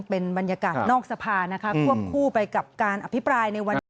พร้อมก็ว่าไป